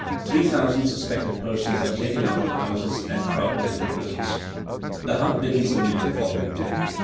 Three thousand suspected persons are taken out of houses, and crowded into prisons. The hunt begins anew the following day.